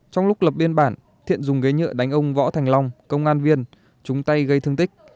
trong lúc lập biên bản thiện dùng ghế nhựa đánh ông võ thành long công an viên trúng tay gây thương tích